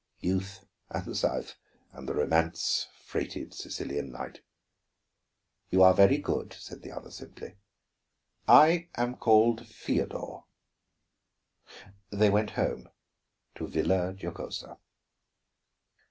Youth, and the South, and the romance freighted Sicilian night! "You are very good," said the other simply. "I am called Feodor." They went home to Villa Giocosa.